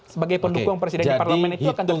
sebagai pendukung presidennya parlamen itu akan terjadi